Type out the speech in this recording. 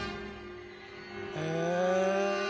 へえ。